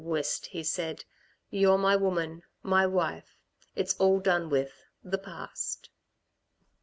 "Whist," he said. "You're my woman my wife. It's all done with, the past."